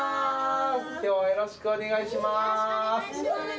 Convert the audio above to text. よろしくお願いします。